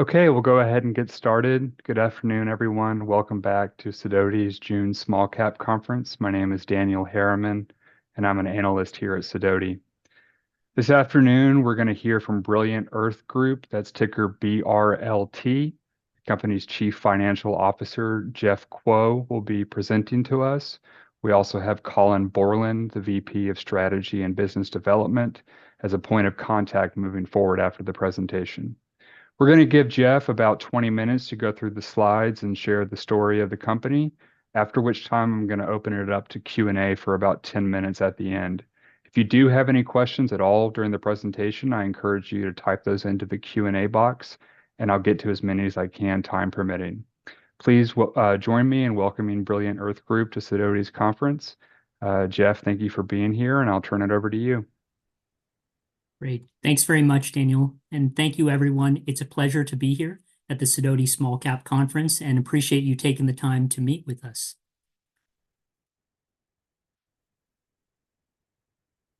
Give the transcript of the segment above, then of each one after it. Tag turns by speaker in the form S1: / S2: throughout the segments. S1: Okay, we'll go ahead and get started. Good afternoon, everyone. Welcome back to Sidoti's June small-cap conference. My name is Daniel Harriman, and I'm an analyst here at Sidoti. This afternoon, we're gonna hear from Brilliant Earth Group, that's ticker BRLT. The company's Chief Financial Officer, Jeff Kuo, will be presenting to us. We also have Colin Bourland, the VP of Strategy and Business Development, as a point of contact moving forward after the presentation. We're gonna give Jeff about 20 minutes to go through the slides and share the story of the company, after which time I'm gonna open it up to Q&A for about 10 minutes at the end. If you do have any questions at all during the presentation, I encourage you to type those into the Q&A box, and I'll get to as many as I can, time permitting. Please join me in welcoming Brilliant Earth Group to Sidoti's conference. Jeff, thank you for being here, and I'll turn it over to you.
S2: Great. Thanks very much, Daniel, and thank you, everyone. It's a pleasure to be here at the Sidoti Small Cap Conference, and appreciate you taking the time to meet with us.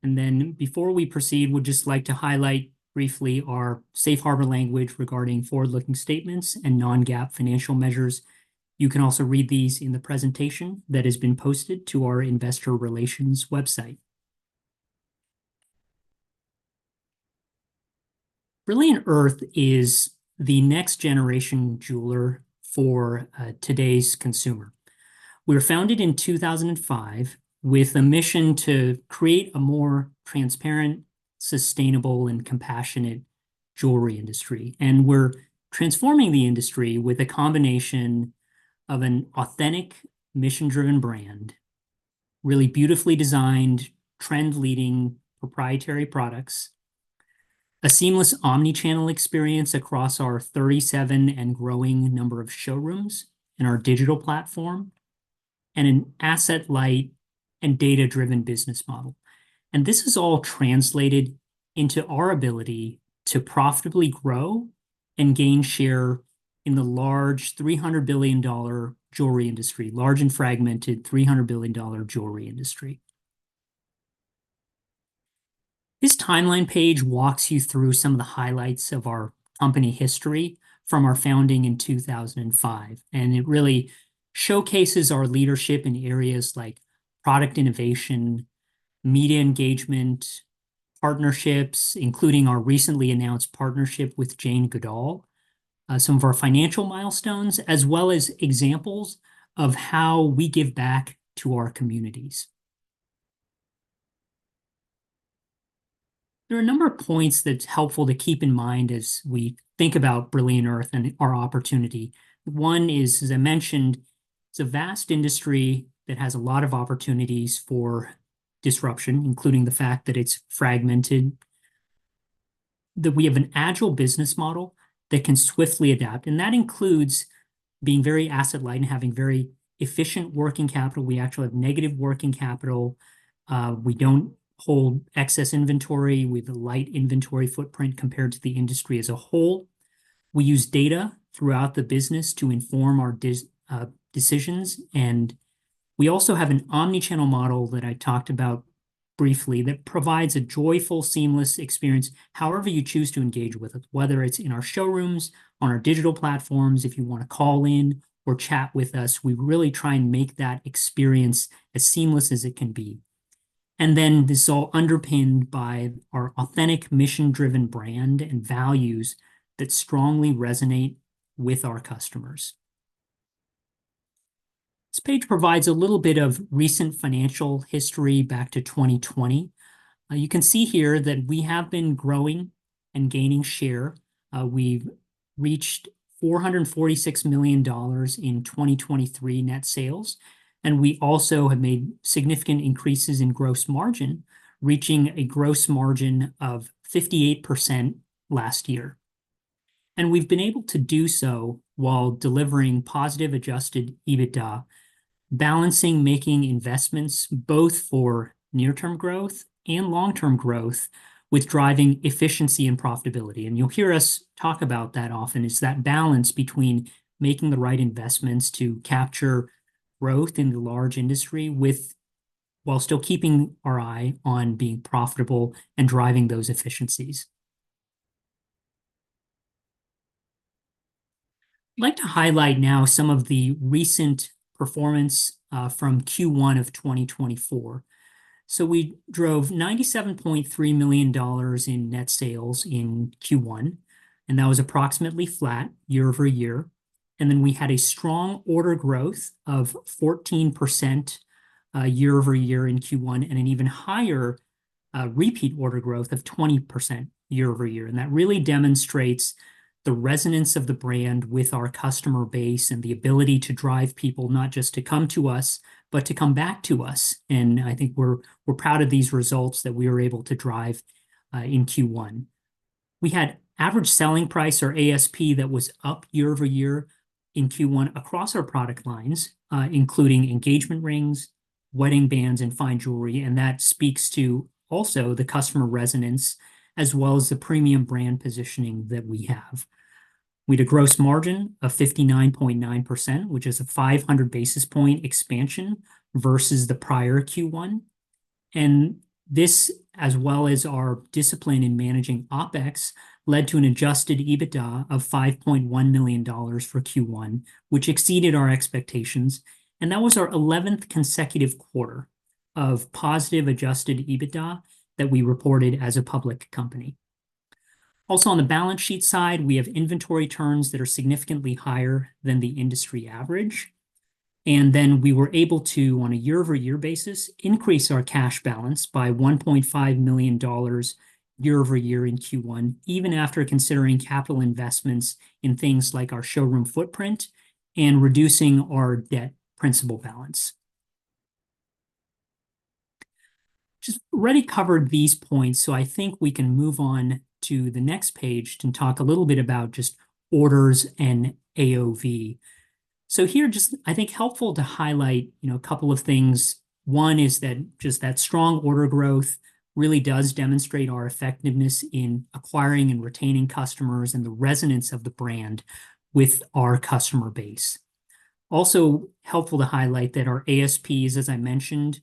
S2: And then before we proceed, we'd just like to highlight briefly our safe harbor language regarding forward-looking statements and non-GAAP financial measures. You can also read these in the presentation that has been posted to our investor relations website. Brilliant Earth is the next-generation jeweler for today's consumer. We were founded in 2005 with a mission to create a more transparent, sustainable, and compassionate jewelry industry, and we're transforming the industry with a combination of an authentic, mission-driven brand, really beautifully designed, trend-leading proprietary products, a seamless omni-channel experience across our 37 and growing number of showrooms and our digital platform, and an asset-light and data-driven business model. This is all translated into our ability to profitably grow and gain share in the large, $300 billion jewelry industry, large and fragmented $300 billion jewelry industry. This timeline page walks you through some of the highlights of our company history from our founding in 2005, and it really showcases our leadership in areas like product innovation, media engagement, partnerships, including our recently announced partnership with Jane Goodall, some of our financial milestones, as well as examples of how we give back to our communities. There are a number of points that's helpful to keep in mind as we think about Brilliant Earth and our opportunity. One is, as I mentioned, it's a vast industry that has a lot of opportunities for disruption, including the fact that it's fragmented, that we have an agile business model that can swiftly adapt, and that includes being very asset-light and having very efficient working capital. We actually have negative working capital. We don't hold excess inventory. We have a light inventory footprint compared to the industry as a whole. We use data throughout the business to inform our decisions, and we also have an omni-channel model that I talked about briefly, that provides a joyful, seamless experience however you choose to engage with us, whether it's in our showrooms, on our digital platforms. If you wanna call in or chat with us, we really try and make that experience as seamless as it can be. Then this is all underpinned by our authentic, mission-driven brand and values that strongly resonate with our customers. This page provides a little bit of recent financial history back to 2020. You can see here that we have been growing and gaining share. We've reached $446 million in 2023 Net Sales, and we also have made significant increases in Gross Margin, reaching a Gross Margin of 58% last year. We've been able to do so while delivering positive Adjusted EBITDA, balancing making investments both for near-term growth and long-term growth with driving efficiency and profitability. You'll hear us talk about that often. It's that balance between making the right investments to capture growth in the large industry while still keeping our eye on being profitable and driving those efficiencies. I'd like to highlight now some of the recent performance from Q1 of 2024. We drove $97.3 million in net sales in Q1, and that was approximately flat year-over-year. Then we had a strong order growth of 14% year-over-year in Q1, and an even higher repeat order growth of 20% year-over-year. That really demonstrates the resonance of the brand with our customer base and the ability to drive people, not just to come to us, but to come back to us, and I think we're proud of these results that we were able to drive in Q1. We had average selling price, or ASP, that was up year-over-year in Q1 across our product lines, including engagement rings, wedding bands, and fine jewelry, and that speaks to also the customer resonance, as well as the premium brand positioning that we have. We had a gross margin of 59.9%, which is a 500 basis point expansion versus the prior Q1, and this, as well as our discipline in managing OpEx, led to an adjusted EBITDA of $5.1 million for Q1, which exceeded our expectations, and that was our 11th consecutive quarter of positive adjusted EBITDA that we reported as a public company. Also, on the balance sheet side, we have inventory turns that are significantly higher than the industry average. And then we were able to, on a year-over-year basis, increase our cash balance by $1.5 million year-over-year in Q1, even after considering capital investments in things like our showroom footprint and reducing our debt principal balance. Just already covered these points, so I think we can move on to the next page to talk a little bit about just orders and AOV. So here, just, I think, helpful to highlight, you know, a couple of things. One is that just that strong order growth really does demonstrate our effectiveness in acquiring and retaining customers and the resonance of the brand with our customer base. Also, helpful to highlight that our ASPs, as I mentioned,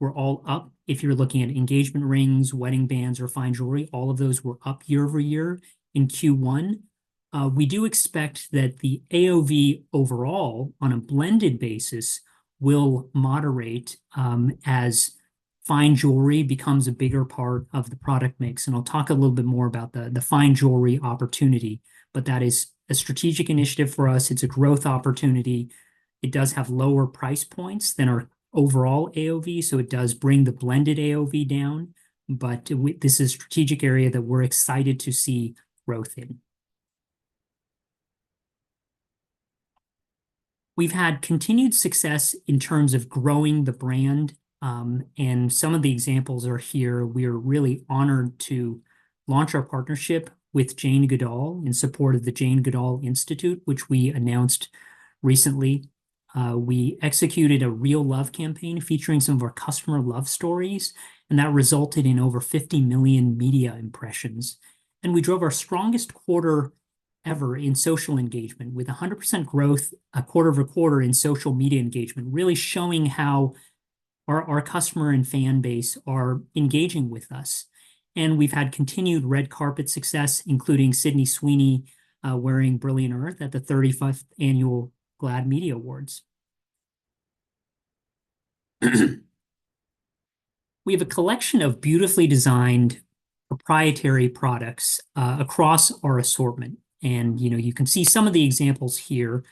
S2: were all up. If you're looking at engagement rings, wedding bands, or fine jewelry, all of those were up year-over-year in Q1. We do expect that the AOV overall, on a blended basis, will moderate, as fine jewelry becomes a bigger part of the product mix. I'll talk a little bit more about the fine jewelry opportunity, but that is a strategic initiative for us. It's a growth opportunity. It does have lower price points than our overall AOV, so it does bring the blended AOV down, but this is a strategic area that we're excited to see growth in. We've had continued success in terms of growing the brand, and some of the examples are here. We are really honored to launch our partnership with Jane Goodall in support of the Jane Goodall Institute, which we announced recently. We executed a Real Love campaign featuring some of our customer love stories, and that resulted in over 50 million media impressions. We drove our strongest quarter ever in social engagement, with 100% growth quarter-over-quarter in social media engagement, really showing how our customer and fan base are engaging with us. We've had continued red carpet success, including Sydney Sweeney wearing Brilliant Earth at the 35th annual GLAAD Media Awards. We have a collection of beautifully designed proprietary products across our assortment, and, you know, you can see some of the examples here.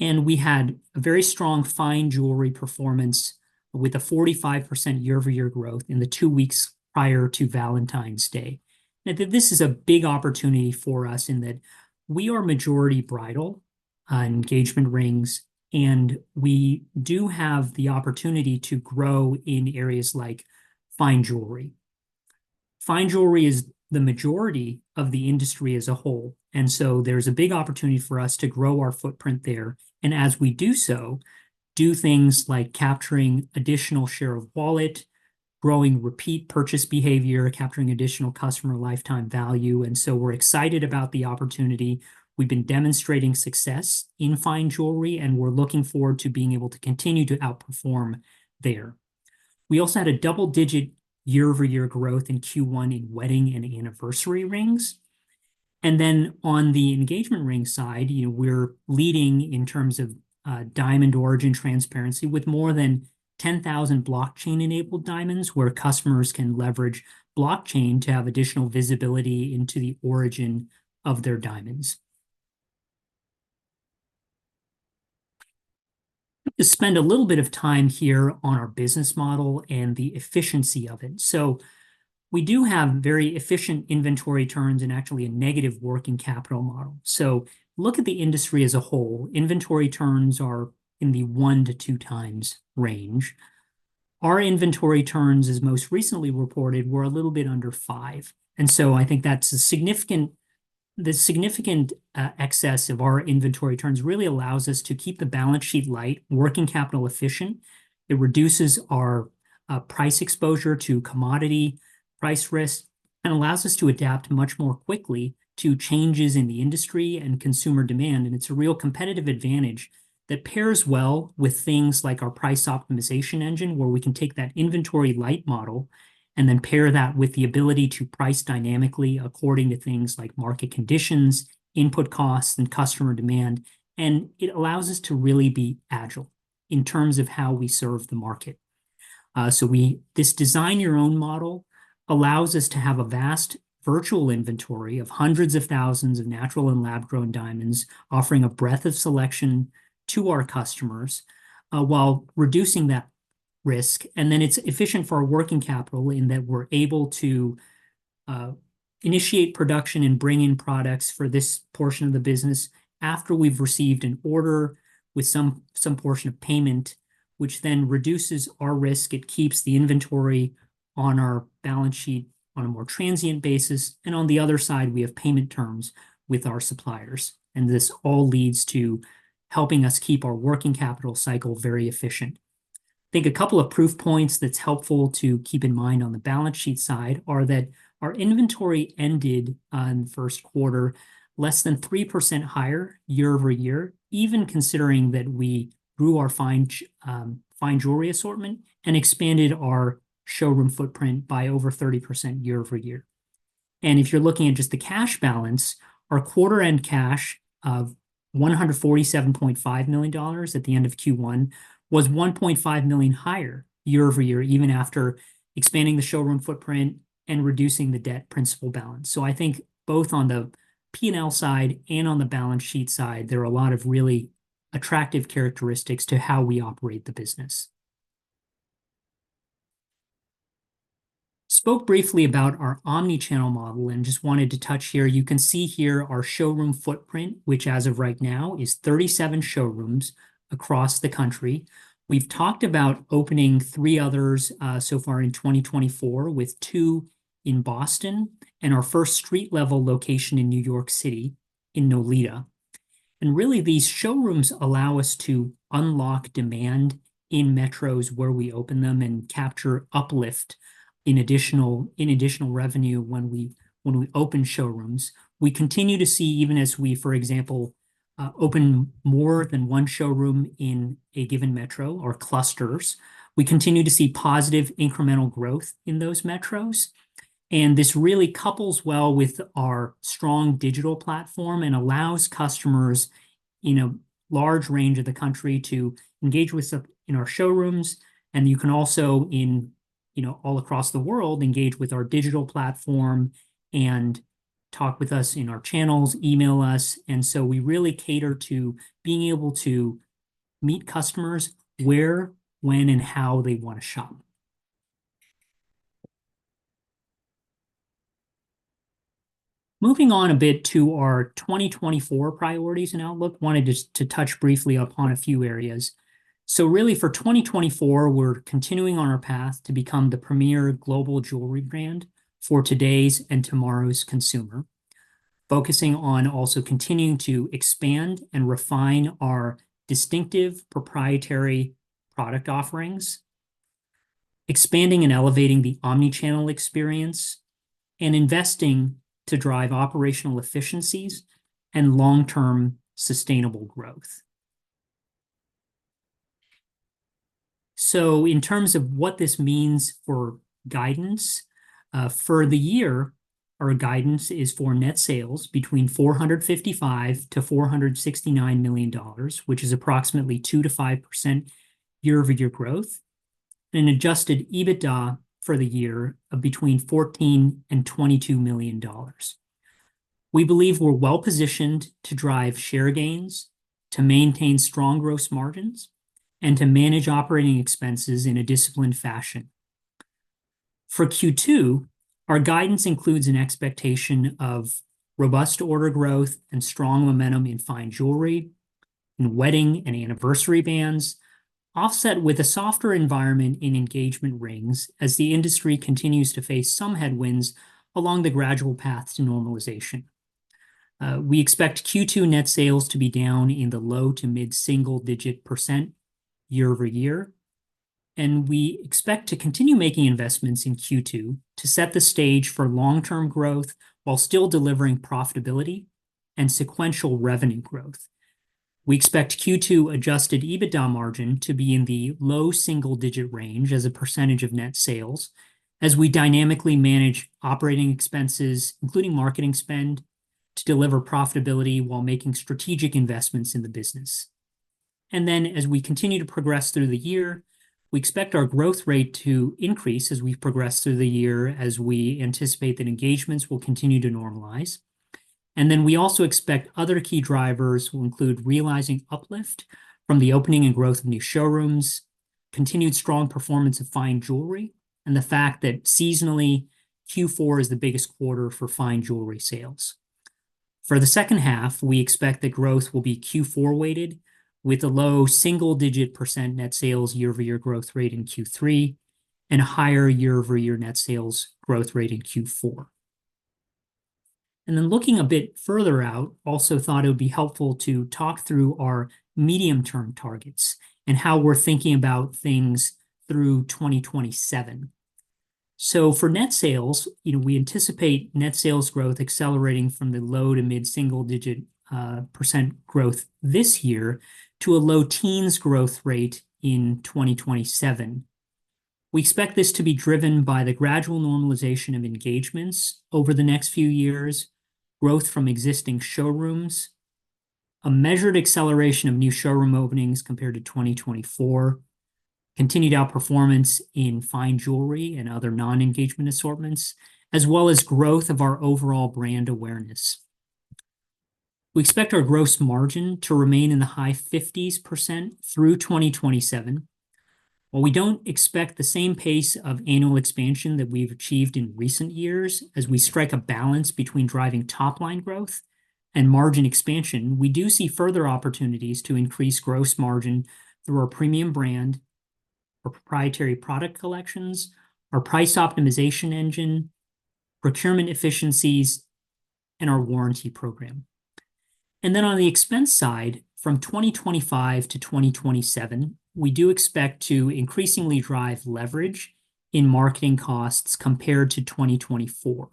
S2: We had a very strong fine jewelry performance with 45% year-over-year growth in the 2 weeks prior to Valentine's Day. Now, this is a big opportunity for us in that we are majority bridal, engagement rings, and we do have the opportunity to grow in areas like fine jewelry. Fine jewelry is the majority of the industry as a whole, and so there's a big opportunity for us to grow our footprint there, and as we do so, do things like capturing additional share of wallet, growing repeat purchase behavior, capturing additional customer lifetime value. So we're excited about the opportunity. We've been demonstrating success in fine jewelry, and we're looking forward to being able to continue to outperform there. We also had a double-digit year-over-year growth in Q1 in wedding and anniversary rings. Then on the engagement ring side, you know, we're leading in terms of diamond origin transparency, with more than 10,000 blockchain-enabled diamonds, where customers can leverage blockchain to have additional visibility into the origin of their diamonds. I want to spend a little bit of time here on our business model and the efficiency of it. So we do have very efficient inventory turns and actually a negative working capital model. So look at the industry as a whole. Inventory turns are in the 1-2 times range. Our inventory turns, as most recently reported, were a little bit under 5, and so I think that's a significant excess of our inventory turns really allows us to keep the balance sheet light, working capital efficient. It reduces our price exposure to commodity price risk and allows us to adapt much more quickly to changes in the industry and consumer demand. And it's a real competitive advantage that pairs well with things like our price optimization engine, where we can take that inventory light model and then pair that with the ability to price dynamically according to things like market conditions, input costs, and customer demand. It allows us to really be agile in terms of how we serve the market. So this design-your-own model allows us to have a vast virtual inventory of hundreds of thousands of natural and lab-grown diamonds, offering a breadth of selection to our customers, while reducing that risk. Then it's efficient for our working capital in that we're able to initiate production and bring in products for this portion of the business after we've received an order with some portion of payment, which then reduces our risk. It keeps the inventory on our balance sheet on a more transient basis, and on the other side, we have payment terms with our suppliers. This all leads to helping us keep our working capital cycle very efficient. I think a couple of proof points that's helpful to keep in mind on the balance sheet side are that our inventory ended on first quarter less than 3% higher year-over-year, even considering that we grew our fine jewelry assortment and expanded our showroom footprint by over 30% year-over-year, and if you're looking at just the cash balance, our quarter-end cash of $147.5 million at the end of Q1 was $1.5 million higher year-over-year, even after expanding the showroom footprint and reducing the debt principal balance. So I think both on the P&L side and on the balance sheet side, there are a lot of really attractive characteristics to how we operate the business. Spoke briefly about our omni-channel model, and just wanted to touch here. You can see here our showroom footprint, which as of right now, is 37 showrooms across the country. We've talked about opening 3 others so far in 2024, with 2 in Boston and our first street-level location in New York City in Nolita. Really, these showrooms allow us to unlock demand in metros where we open them and capture uplift in additional revenue when we open showrooms. We continue to see, even as we, for example, open more than one showroom in a given metro or clusters, we continue to see positive incremental growth in those metros. This really couples well with our strong digital platform and allows customers in a large range of the country to engage with us in our showrooms. And you can also, you know, all across the world, engage with our digital platform and talk with us in our channels, email us, and so we really cater to being able to meet customers where, when, and how they want to shop. Moving on a bit to our 2024 priorities and outlook, wanted to touch briefly upon a few areas. So really, for 2024, we're continuing on our path to become the premier global jewelry brand for today's and tomorrow's consumer. Focusing on also continuing to expand and refine our distinctive proprietary product offerings, expanding and elevating the omni-channel experience, and investing to drive operational efficiencies and long-term sustainable growth. So in terms of what this means for guidance, for the year, our guidance is for net sales between $455 million-$469 million, which is approximately 2%-5% year-over-year growth, and an adjusted EBITDA for the year of between $14 million and $22 million. We believe we're well-positioned to drive share gains, to maintain strong gross margins, and to manage operating expenses in a disciplined fashion. For Q2, our guidance includes an expectation of robust order growth and strong momentum in fine jewelry, in wedding and anniversary bands, offset with a softer environment in engagement rings as the industry continues to face some headwinds along the gradual path to normalization. We expect Q2 net sales to be down in the low- to mid-single-digit percent year-over-year, and we expect to continue making investments in Q2 to set the stage for long-term growth while still delivering profitability and sequential revenue growth. We expect Q2 Adjusted EBITDA margin to be in the single-digit percent range as a percentage of net sales, as we dynamically manage operating expenses, including marketing spend, to deliver profitability while making strategic investments in the business. Then, as we continue to progress through the year, we expect our growth rate to increase as we progress through the year, as we anticipate that engagements will continue to normalize. And then we also expect other key drivers will include realizing uplift from the opening and growth of new showrooms, continued strong performance of fine jewelry, and the fact that seasonally, Q4 is the biggest quarter for fine jewelry sales. For the second half, we expect that growth will be Q4-weighted, with a low single-digit percent net sales year-over-year growth rate in Q3, and a higher year-over-year net sales growth rate in Q4. And then looking a bit further out, also thought it would be helpful to talk through our medium-term targets and how we're thinking about things through 2027. So for net sales, you know, we anticipate net sales growth accelerating from the low- to mid-single-digit percent growth this year to a low-teens % growth rate in 2027. We expect this to be driven by the gradual normalization of engagements over the next few years, growth from existing showrooms, a measured acceleration of new showroom openings compared to 2024, continued outperformance in fine jewelry and other non-engagement assortments, as well as growth of our overall brand awareness. We expect our gross margin to remain in the high 50s% through 2027. While we don't expect the same pace of annual expansion that we've achieved in recent years as we strike a balance between driving top-line growth and margin expansion, we do see further opportunities to increase gross margin through our premium brand or proprietary product collections, our price optimization engine, procurement efficiencies, and our warranty program. And then on the expense side, from 2025 to 2027, we do expect to increasingly drive leverage in marketing costs compared to 2024.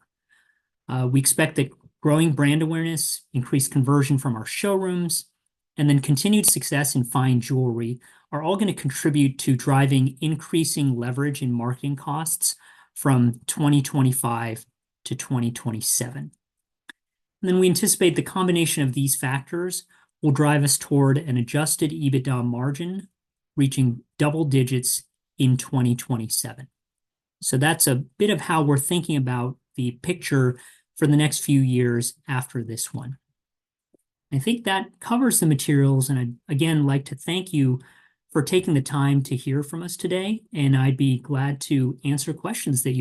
S2: We expect that growing brand awareness, increased conversion from our showrooms, and then continued success in fine jewelry are all gonna contribute to driving increasing leverage in marketing costs from 2025 to 2027. Then we anticipate the combination of these factors will drive us toward an Adjusted EBITDA margin, reaching double digits in 2027. So that's a bit of how we're thinking about the picture for the next few years after this one. I think that covers the materials, and I'd, again, like to thank you for taking the time to hear from us today, and I'd be glad to answer questions that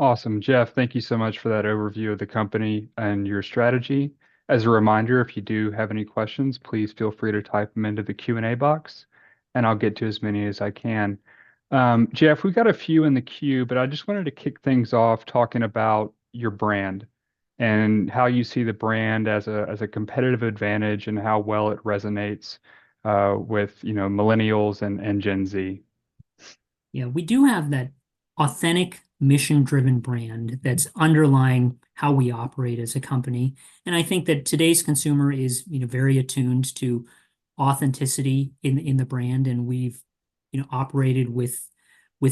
S2: you might have.
S1: Awesome. Jeff, thank you so much for that overview of the company and your strategy. As a reminder, if you do have any questions, please feel free to type them into the Q&A box, and I'll get to as many as I can. Jeff, we've got a few in the queue, but I just wanted to kick things off talking about your brand and how you see the brand as a competitive advantage, and how well it resonates with, you know, Millennials and Gen Z.
S2: Yeah, we do have that authentic, mission-driven brand that's underlying how we operate as a company. And I think that today's consumer is, you know, very attuned to authenticity in the brand, and we've, you know, operated with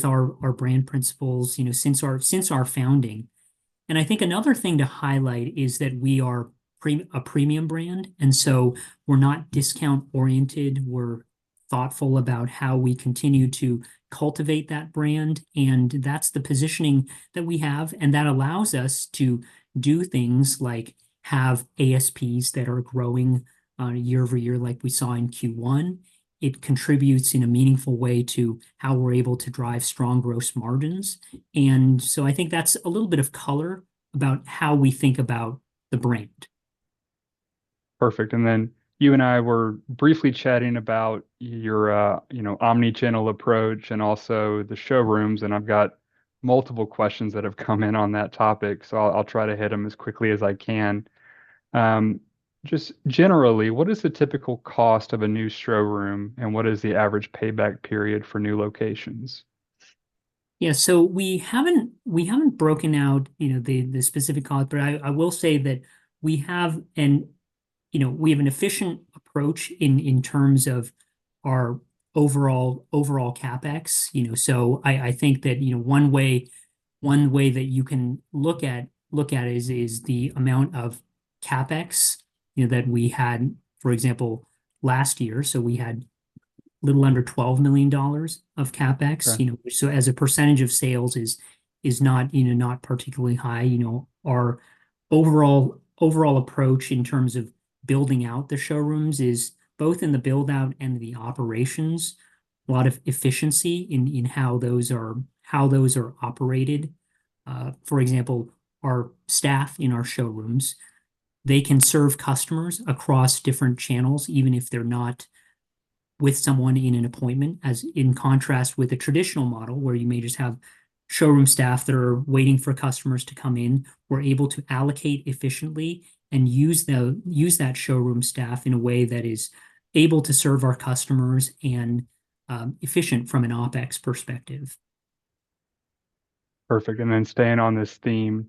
S2: our brand principles, you know, since our founding. And I think another thing to highlight is that we are a premium brand, and so we're not discount-oriented. We're thoughtful about how we continue to cultivate that brand, and that's the positioning that we have, and that allows us to do things like have ASPs that are growing year-over-year, like we saw in Q1. It contributes in a meaningful way to how we're able to drive strong gross margins, and so I think that's a little bit of color about how we think about the brand.
S1: Perfect. Then you and I were briefly chatting about your, you know, omni-channel approach and also the showrooms, and I've got multiple questions that have come in on that topic, so I'll try to hit them as quickly as I can. Just generally, what is the typical cost of a new showroom, and what is the average payback period for new locations?
S2: Yeah, so we haven't broken out, you know, the specific cost, but I will say that we have an... You know, we have an efficient approach in terms of our overall CapEx, you know? So I think that, you know, one way that you can look at is the amount of CapEx, you know, that we had, for example, last year. So we had a little under $12 million of CapEx-
S1: Right...
S2: you know, so as a percentage of sales is, is not, you know, not particularly high. You know, our overall, overall approach in terms of building out the showrooms is both in the build-out and the operations. A lot of efficiency in how those are operated. For example, our staff in our showrooms, they can serve customers across different channels, even if they're not with someone in an appointment. As in contrast with a traditional model, where you may just have showroom staff that are waiting for customers to come in, we're able to allocate efficiently and use that showroom staff in a way that is able to serve our customers and efficient from an OpEx perspective.
S1: Perfect. And then staying on this theme,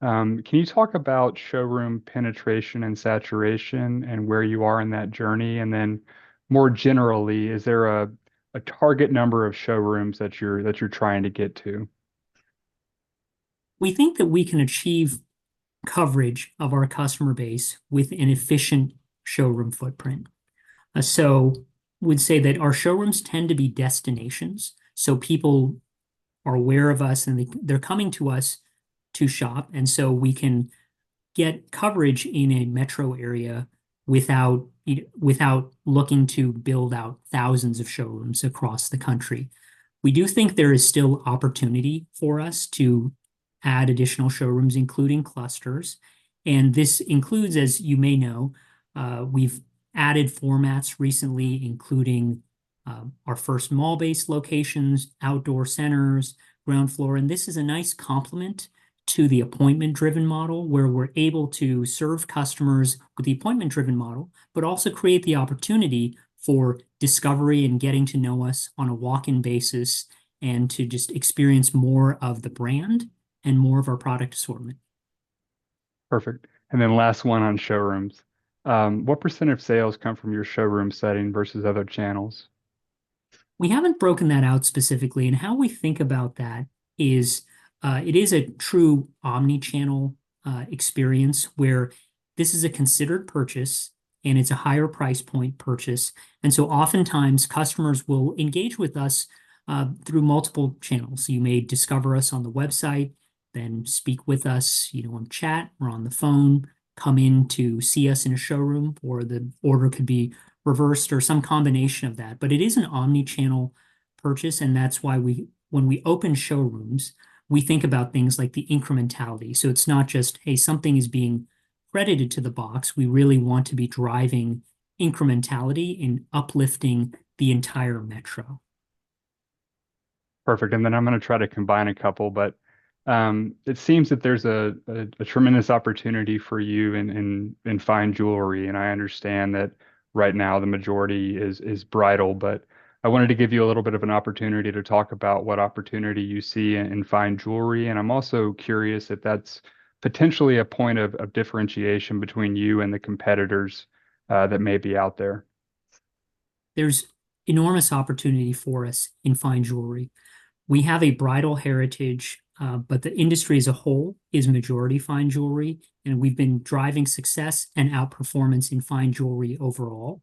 S1: can you talk about showroom penetration and saturation and where you are in that journey? And then, more generally, is there a target number of showrooms that you're trying to get to?
S2: We think that we can achieve coverage of our customer base with an efficient showroom footprint. So would say that our showrooms tend to be destinations, so people are aware of us, and they, they're coming to us to shop, and so we can get coverage in a metro area without without looking to build out thousands of showrooms across the country. We do think there is still opportunity for us to add additional showrooms, including clusters, and this includes, as you may know, we've added formats recently, including our first mall-based locations, outdoor centers, ground floor. This is a nice complement to the appointment-driven model, where we're able to serve customers with the appointment-driven model, but also create the opportunity for discovery and getting to know us on a walk-in basis, and to just experience more of the brand and more of our product assortment.
S1: Perfect. And then last one on showrooms. What percent of sales come from your showroom setting versus other channels?
S2: We haven't broken that out specifically, and how we think about that is, it is a true omni-channel experience, where this is a considered purchase, and it's a higher price point purchase. And so oftentimes, customers will engage with us through multiple channels. You may discover us on the website, then speak with us, you know, on chat or on the phone, come in to see us in a showroom, or the order could be reversed or some combination of that. But it is an omni-channel purchase, and that's why we—when we open showrooms, we think about things like the incrementality. So it's not just, "Hey, something is being credited to the box." We really want to be driving incrementality in uplifting the entire metro.
S1: Perfect. And then I'm gonna try to combine a couple, but it seems that there's a tremendous opportunity for you in fine jewelry, and I understand that right now the majority is bridal. But I wanted to give you a little bit of an opportunity to talk about what opportunity you see in fine jewelry, and I'm also curious if that's potentially a point of differentiation between you and the competitors that may be out there.
S2: There's enormous opportunity for us in fine jewelry. We have a bridal heritage, but the industry as a whole is majority fine jewelry, and we've been driving success and outperformance in fine jewelry overall.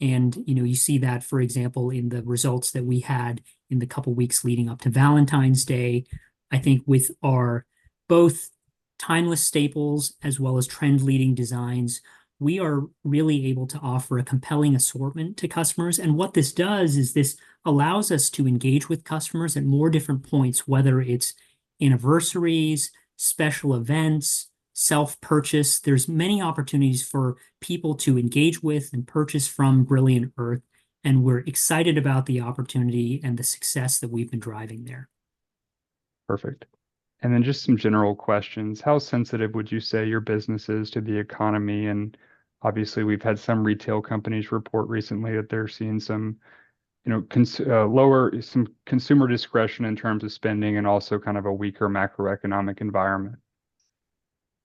S2: And, you know, you see that, for example, in the results that we had in the couple weeks leading up to Valentine's Day. I think with our both timeless staples as well as trend-leading designs, we are really able to offer a compelling assortment to customers. And what this does is this allows us to engage with customers at more different points, whether it's anniversaries, special events, self-purchase. There's many opportunities for people to engage with and purchase from Brilliant Earth, and we're excited about the opportunity and the success that we've been driving there.
S1: Perfect. And then just some general questions: How sensitive would you say your business is to the economy? And obviously, we've had some retail companies report recently that they're seeing some, you know, lower consumer discretion in terms of spending and also kind of a weaker macroeconomic environment.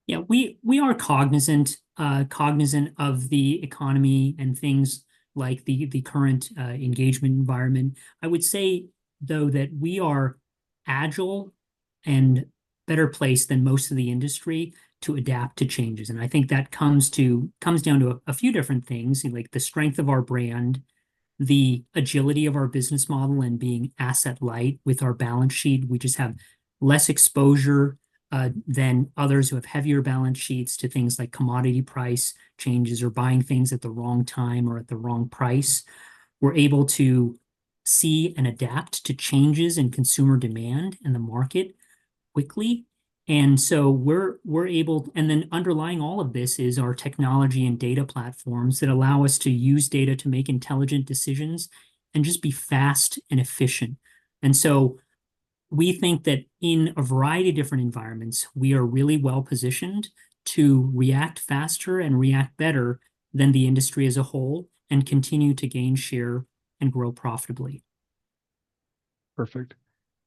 S2: Yeah, we are cognizant of the economy and things like the current engagement environment. I would say, though, that we are agile and better placed than most of the industry to adapt to changes, and I think that comes down to a few different things, like the strength of our brand, the agility of our business model, and being asset light with our balance sheet. We just have less exposure than others who have heavier balance sheets to things like commodity price changes or buying things at the wrong time or at the wrong price. We're able to see and adapt to changes in consumer demand in the market quickly, and so we're able. And then underlying all of this is our technology and data platforms that allow us to use data to make intelligent decisions and just be fast and efficient. And so we think that in a variety of different environments, we are really well-positioned to react faster and react better than the industry as a whole and continue to gain share and grow profitably.
S1: Perfect.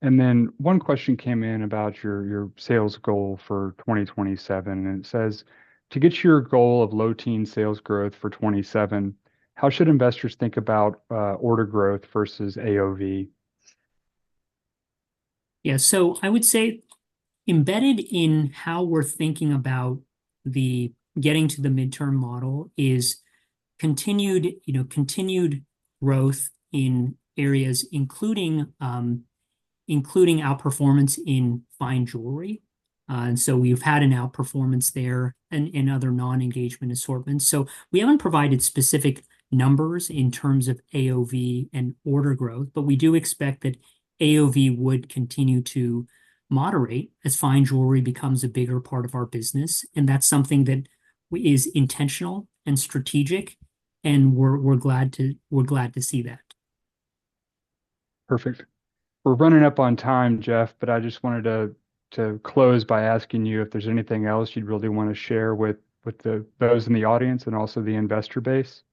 S1: And then one question came in about your sales goal for 2027, and it says: "To get to your goal of low teen sales growth for 2027, how should investors think about order growth versus AOV?
S2: Yeah, so I would say embedded in how we're thinking about the getting to the midterm model is continued, you know, continued growth in areas, including outperformance in fine jewelry. And so we've had an outperformance there and in other non-engagement assortments. So we haven't provided specific numbers in terms of AOV and order growth, but we do expect that AOV would continue to moderate as fine jewelry becomes a bigger part of our business, and that's something that is intentional and strategic, and we're glad to see that.
S1: Perfect. We're running up on time, Jeff, but I just wanted to close by asking you if there's anything else you'd really want to share with those in the audience and also the investor base?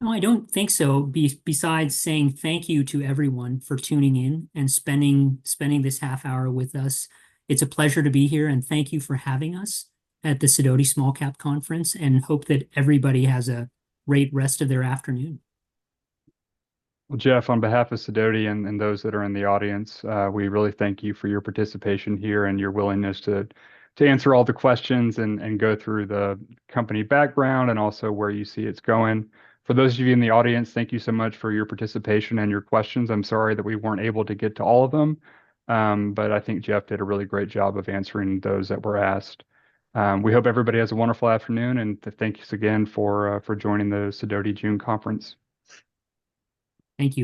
S2: No, I don't think so, besides saying thank you to everyone for tuning in and spending this half hour with us. It's a pleasure to be here, and thank you for having us at the Sidoti Small Cap Conference, and hope that everybody has a great rest of their afternoon.
S1: Well, Jeff, on behalf of Sidoti and those that are in the audience, we really thank you for your participation here and your willingness to answer all the questions and go through the company background and also where you see it's going. For those of you in the audience, thank you so much for your participation and your questions. I'm sorry that we weren't able to get to all of them, but I think Jeff did a really great job of answering those that were asked. We hope everybody has a wonderful afternoon, and thank you again for joining the Sidoti June conference.
S2: Thank you.